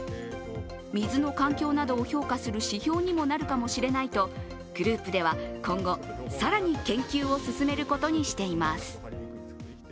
水の環境などを評価する指標にもなるかもしれないとグループでは、今後更に研究を進めることにしています。